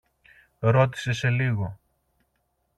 ρώτησε σε λίγο.